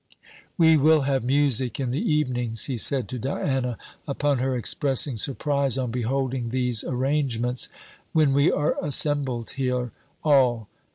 "We will have music in the evenings," he said to Diana, upon her expressing surprise on beholding these arrangements, "when we are assembled here, all.